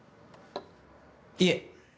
いえ